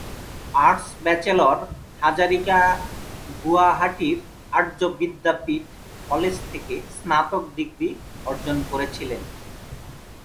Arts bachelor Hazarika গুয়াহাটির Arya Vidyapeeth college থেকে স্নাতক ডিগ্রি অর্জন করেছিলেন।